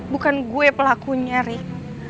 bukan gue pelakunya rik